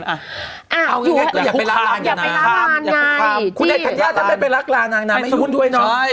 อย่าไปรักร้านนายจริงคุณแดดขัดยาวทำไมไปรักร้านนายไม่ยุ่นด้วยน้อย